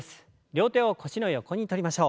両手を腰の横に取りましょう。